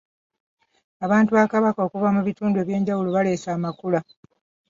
Abantu ba Kabaka okuva mu bitundu eby'enjawulo baleese amakula .